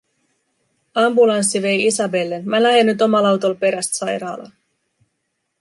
“Ambulanssi vei Isabellen, mä lähen nyt omal autol peräst sairaalaa.